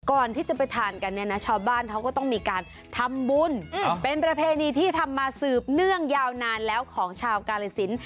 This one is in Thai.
ก่อนที่จะไปทานกันเนี่ยนะชาวบ้านเขาก็ต้องมีการทำบุญเป็นประเพณีที่ทำมาสืบเนื่องยาวนานแล้วของชาวกาลสิน